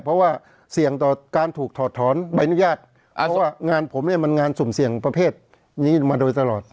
เพราะว่าเสี่ยงต่อการถูกถอดถอนใบอนุญาตว่างานผมเนี่ยมันงานสุ่มเสี่ยงประเภทนี้มาโดยตลอด